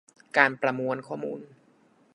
การประมวลข้อมูล